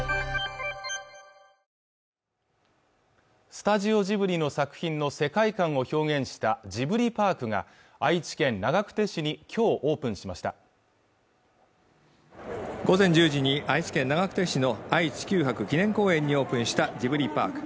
スタジオジブリの作品の世界観を表現したジブリパークが愛知県長久手市に今日オープンしました午前１０時に愛知県長久手市の愛・地球博記念公園にオープンしたジブリパーク